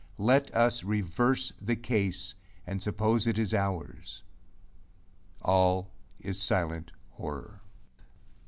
Let us reverse the case and suppose it ours: all is silent horror!